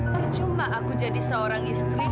percuma aku jadi seorang istri